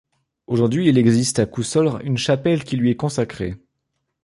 Aujourd'hui, il existe à Cousolre une chapelle qui lui est consacrée.